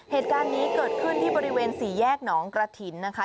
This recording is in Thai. เหตุการณ์นี้เกิดขึ้นที่บริเวณสี่แยกหนองกระถิ่นนะคะ